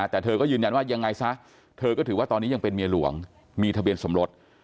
แต่เธอก็ยืนยันว่ายังไงซะเธอก็ถือว่าตอนนี้ยังเป็นเมียหลวงมีทะเบียนสมรส